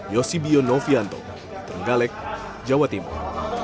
yosibio novianto trenggalek jawa timur